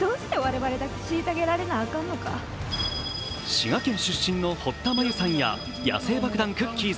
滋賀県出身の堀田真由さんや野性爆弾・くっきー！